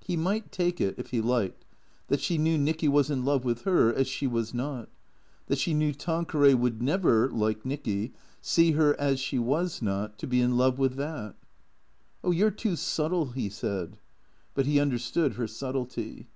He might take it, if he liked, that she knew Nicky was in love with her as she was not; that she knew Tanqueray would never, like Nicky, see her as she was not, to be in love with that. " Oh, you 're too subtle," he said. But he understood her subtlety.